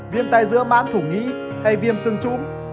viêm tai dữa mãn thủ nghĩ hay viêm sương trúm